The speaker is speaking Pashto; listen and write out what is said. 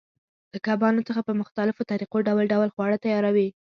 له کبانو څخه په مختلفو طریقو ډول ډول خواړه تیاروي.